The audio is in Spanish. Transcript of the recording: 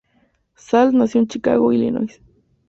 Salt nació en Chicago, Illinois.